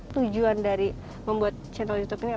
tujuan dari membuat channel youtube ini apa